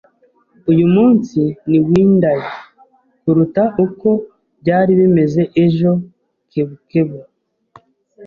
Uyu munsi ni windier kuruta uko byari bimeze ejo. (kebukebu)